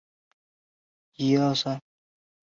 他们也是加里曼丹达雅克人的分支。